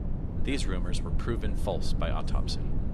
These rumors were proven false by autopsy.